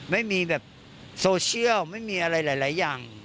ไม่มีแบบโซเชียลไม่มีอะไรหลายอย่าง